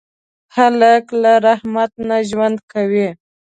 هلک له رحمت نه ژوند کوي.